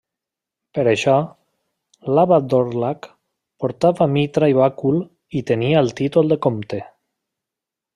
Per això, l'abat d'Orlhac portava mitra i bàcul i tenia el títol de comte.